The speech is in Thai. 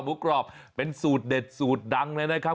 กรอบเป็นสูตรเด็ดสูตรดังเลยนะครับ